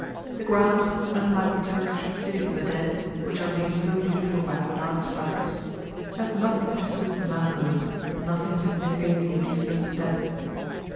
The ground, unlike the Turkish "cities of the dead," which are made so beautiful by their dark cypresses, has nothing to sweeten melancholy, nothing to mitigate the odiousness of death.